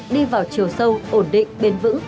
đi vào chiều sâu ổn định bền vững